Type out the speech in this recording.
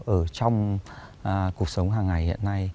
ở trong cuộc sống hàng ngày hiện nay